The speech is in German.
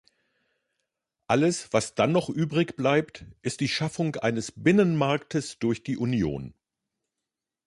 Alles, was dann noch übrig bleibt, ist die Schaffung eines Binnenmarktes durch die Union.